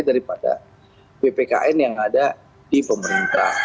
daripada bpkn yang ada di pemerintah